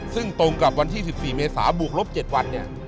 ซึ่งตรงกับวันที่๑๔เมษาบวกลบ๗วันเนี่ย